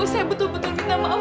saya betul betul cinta maaf